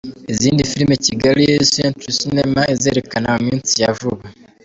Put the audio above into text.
Izindi Filime Kigali Century Cinema izerekana mu minsi ya vuba.